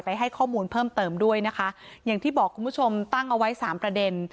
ให้ข้อมูลเพิ่มเติมด้วยนะคะอย่างที่บอกคุณผู้ชมตั้งเอาไว้สามประเด็น